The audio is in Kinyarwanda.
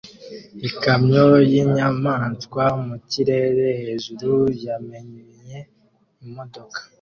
Ikamyo y'inyamanswa mu kirere hejuru yamennye imodoka